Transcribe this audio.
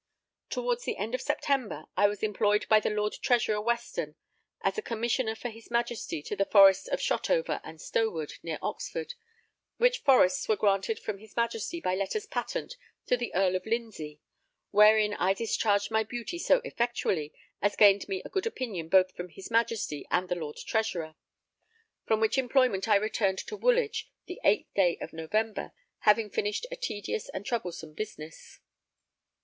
Towards the end of September, I was employed by the Lord Treasurer Weston as a Commissioner for his Majesty to the forests of Shotover and Stowood, near Oxford, which forests were granted from his Majesty by letters patent to the Earl of Lindsey; wherein I discharged my duty so effectually as gained me a good opinion both from his Majesty and the Lord Treasurer; from which employment I returned to Woolwich the 8th day of November, having finished a tedious and troublesome business.